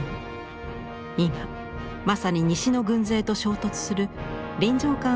今まさに西の軍勢と衝突する臨場感あふれる場面です。